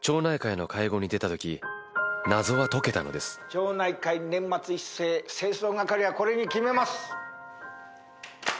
町内会年末一斉清掃係はこれに決めます。